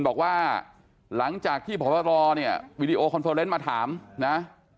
บอกว่าหลังจากที่พบตรเนี่ยวีดีโอคอนเฟอร์เนส์มาถามนะ